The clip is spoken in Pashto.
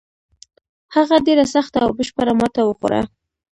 هغه ډېره سخته او بشپړه ماته وخوړه.